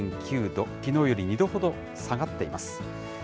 ２．９度、きのうより２度ほど下がっています。